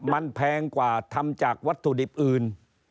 มันแพงกว่าทำจากวัตถุดิบอื่น